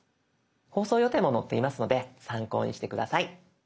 放送予定も載っていますので参考にして下さい。